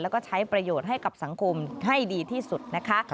แล้วก็ใช้ประโยชน์ให้กับสังคมให้ดีที่สุดนะคะ